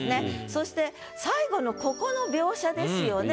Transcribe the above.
そして最後のここの描写ですよね。